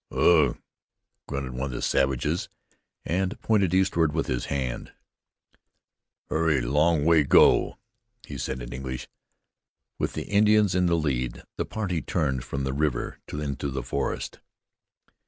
"Ugh!" grunted one of the savages, and pointed eastward with his hand. "Hurry long way go," he said in English. With the Indians in the lead the party turned from the river into the forest.